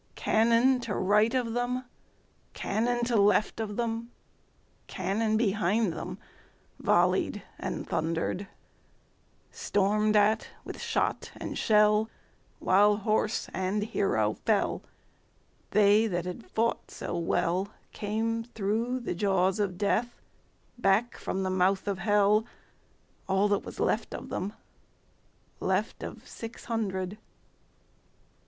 Cannon to right of them, Cannon to left of them, Cannon behind themVolley'd and thunder'd; Storm'd at with shot and shell, While horse and hero fell, They that had fought so wellCame thro' the jaws of Death, Back from the mouth of Hell, All that was left of them, Left of six hundred.